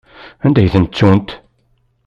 Anda i tent-ttunt?